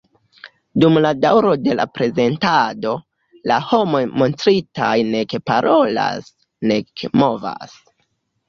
Dum la daŭro de la prezentado, la homoj montritaj nek parolas, nek movas.